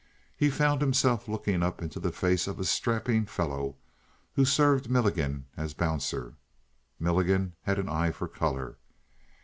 He found himself looking up into the face of a strapping fellow who served Milligan as bouncer. Milligan had an eye for color.